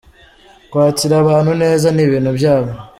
Kwakira abantu neza ni ibintu byabo,.